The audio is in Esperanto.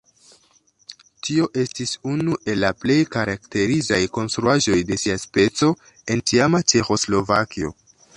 Tio estis unu el la plej karakterizaj konstruaĵoj de sia speco en tiama Ĉeĥoslovakio.